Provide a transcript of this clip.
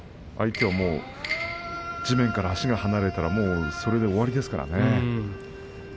相手は地面から足が離れますそれで終わりですからね。